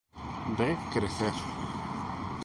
De crecer.